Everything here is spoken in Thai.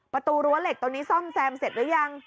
ประตูรั้วเหล็กตรงนี้ซ่อมแซมเสร็จหรือยัง